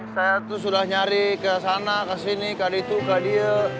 saya tuh sudah nyari ke sana ke sini ke itu ke dia